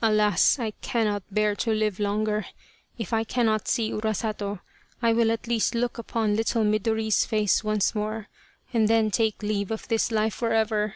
Alas ! I cannot bear to live longer. If I cannot see Urasato I will at least look upon little Midori's face once more and then take leave of this life for ever.